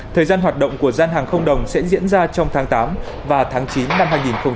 thời gian hoạt động của gian hàng không đồng sẽ diễn ra trong tháng tám và tháng chín năm hai nghìn hai mươi